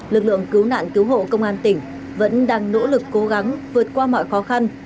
lực lượng cứu nạn cứu hộ công an tỉnh vẫn đang nỗ lực cố gắng vượt qua mọi khó khăn